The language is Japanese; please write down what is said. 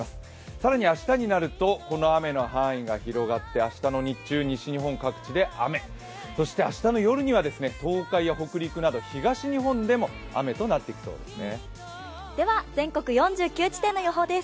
更に明日になるとこの雨の範囲が広がって西日本各地で雨そして明日の夜には東海や北陸など東日本でも雨となってきそうですね。